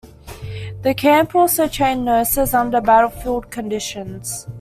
The camp also trained nurses under battlefield conditions.